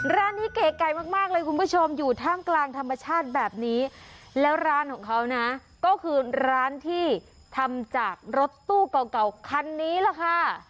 ร้านนี้เก๋ไก่มากมากเลยคุณผู้ชมอยู่ท่ามกลางธรรมชาติแบบนี้แล้วร้านของเขานะก็คือร้านที่ทำจากรถตู้เก่าเก่าคันนี้แหละค่ะ